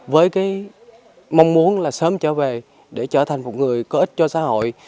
với cái mong muốn là sớm trở về để trở thành một người có ích cho xã hội